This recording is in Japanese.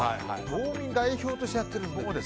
道民代表としてやってるんで。